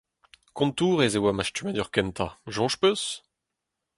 Kontourez e oa ma stummadur kentañ, soñj ‘peus ?